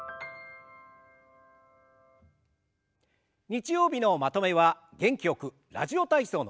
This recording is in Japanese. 日曜日のまとめは元気よく「ラジオ体操」の「第２」を行います。